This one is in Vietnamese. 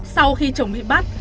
sau khi chồng bị bắt